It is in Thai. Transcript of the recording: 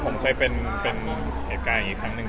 ผมเคยเป็นเห็นอีกครั้งหนึ่ง